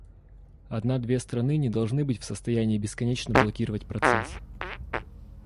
Одна−две страны не должны быть в состоянии бесконечно блокировать процесс".